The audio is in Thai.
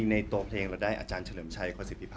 ในตัวเพลงเราได้อาจารย์เฉลิมชัยโคศิพั